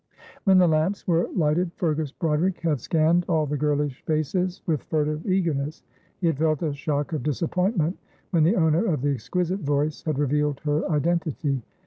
When the lamps were lighted Fergus Broderick had scanned all the girlish faces with furtive eagerness. He had felt a shock of disappointment when the owner of the exquisite voice had revealed her identity.